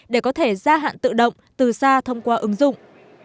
để có thể gia hạn tự động từ xa thông qua ứng dụng